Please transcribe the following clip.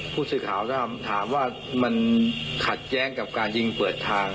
ผู้สื่อข่าวถ้าถามว่ามันขัดแย้งกับการยิงเปิดทาง